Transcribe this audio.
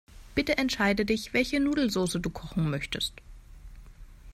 Bitte entscheide dich, welche Nudelsoße du kochen möchtest.